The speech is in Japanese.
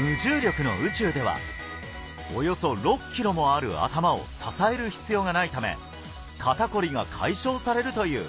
無重力の宇宙ではおよそ６ｋｇもある頭を支える必要がないため肩凝りが解消されるという